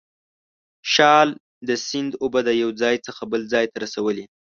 شال د سیند اوبه د یو ځای څخه بل ځای ته رسولې.